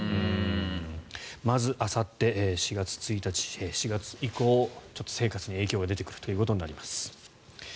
まずあさって、４月１日４月以降、生活に影響が出てくるということになります。